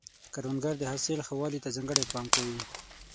کروندګر د حاصل ښه والي ته ځانګړی پام کوي